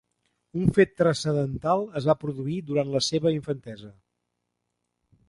Un fet transcendental es va produir durant la seva infantesa.